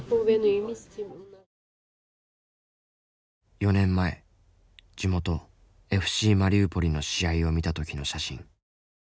４年前地元ＦＣマリウポリの試合を見た時の写真。